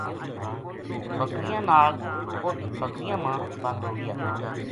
بکریاں نال اُت بکریاں ما بند ہو گیا